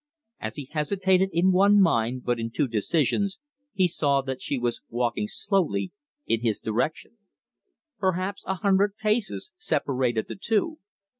As he hesitated in one mind but in two decisions, he saw that she was walking slowly in his direction. Perhaps a hundred paces separated the two.